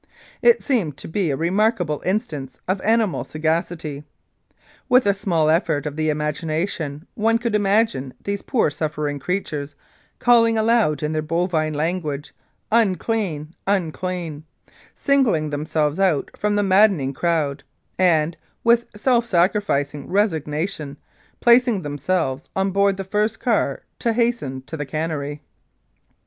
It seemed to be a remarkable instance of animal sagacity. With a small effort of the imagination one could imagine these poor suffering creatures calling aloud in their bovine language, "Unclean, unclean," singling themselves out from the madding crowd and, with self sacrificing resignation, placing themselves on board the first car to hasten to the cannery.